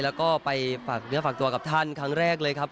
แล้วก็ไปฝากเนื้อฝากตัวกับท่านครั้งแรกเลยครับ